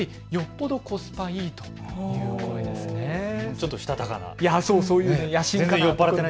ちょっとしたたかな方。